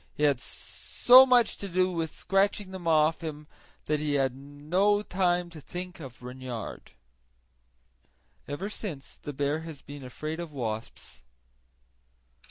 He had so much to do with scratching them off him that he had no the to think of Reynard. Ever since the bear has been afraid of wasps.